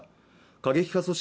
過激派組織